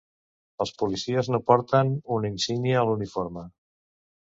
Els policies no porten una insígnia a l'uniforme.